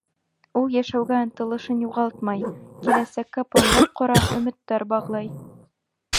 Ул йәшәүгә ынтылышын юғалтмай, киләсәккә пландар ҡора, өмөттәр бағлай.